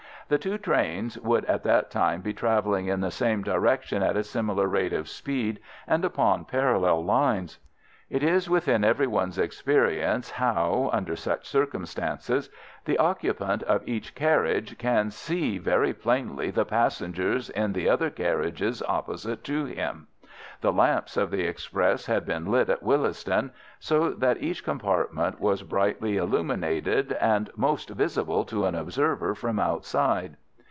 The two trains would at that time be travelling in the same direction at a similar rate of speed and upon parallel lines. It is within everyone's experience how, under such circumstances, the occupant of each carriage can see very plainly the passengers in the other carriages opposite to him. The lamps of the express had been lit at Willesden, so that each compartment was brightly illuminated, and most visible to an observer from outside.